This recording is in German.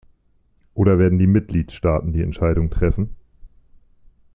Oder werden die Mitgliedstaaten die Entscheidung treffen?